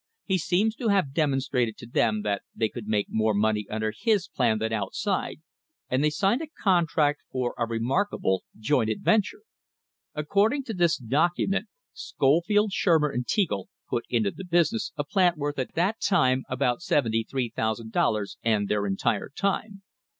He seems to have demonstrated to them that they could make more money under his plan than outside, and they signed a contract for a remarkable "joint adventure." Accord ing to this document Scofield, Shurmer and Teagle put into the business a plant worth at that time about $73,000 and THE HISTORY OF THE STANDARD OIL COMPANY their entire time.